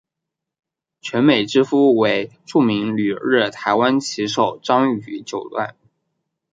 泉美之夫为著名旅日台湾棋手张栩九段。